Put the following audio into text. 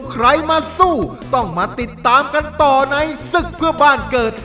ใครมาสู้ต้องมาติดตามกันต่อในศึกเพื่อบ้านเกิด